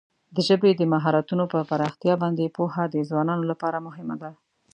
د ژبې د مهارتونو پر پراختیا باندې پوهه د ځوانانو لپاره مهمه ده.